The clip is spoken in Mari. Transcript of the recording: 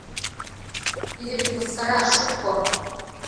— Тиде вет мыскара, шутко.